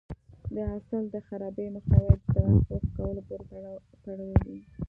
د حاصل د خرابي مخنیوی د ټرانسپورټ ښه کولو پورې تړلی دی.